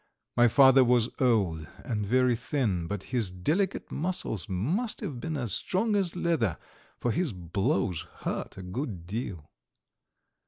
My father was old and very thin but his delicate muscles must have been as strong as leather, for his blows hurt a good deal.